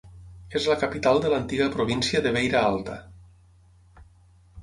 És la capital de l'antiga província de Beira Alta.